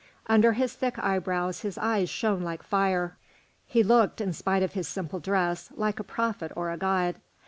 Under his thick eyebrows his eyes shone like fire. He looked, in spite of his simple dress, like a prophet or a god.